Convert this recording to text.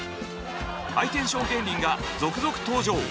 ハイテンション芸人が続々登場。